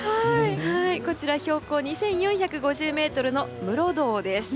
こちら、標高２４５０ｍの室堂です。